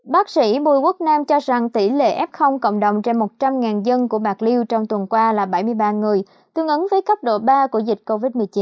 bác sĩ bùi quốc nam cho rằng tỷ lệ f cộng đồng trên một trăm linh dân của bạc liêu trong tuần qua là bảy mươi ba người tương ứng với cấp độ ba của dịch covid một mươi chín